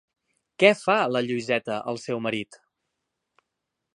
Què fa la Lluïseta al seu marit?